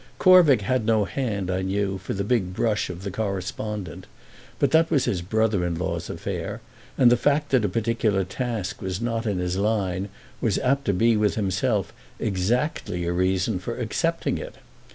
Corvick had no hand, I knew, for the big brush of the correspondent, but that was his brother in law's affair, and the fact that a particular task was not in his line was apt to be with himself exactly a reason for accepting it.